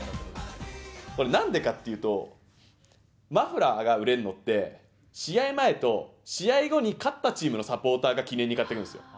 これ、なんでかっていうと、マフラーが売れるのって、試合前と試合後に勝ったチームのサポーターが記念に買っていくんですよ。